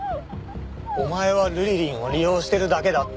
お前はルリリンを利用してるだけだって。